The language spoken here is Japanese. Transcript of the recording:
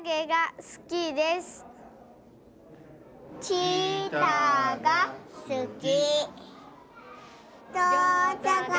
ちーたーがすき。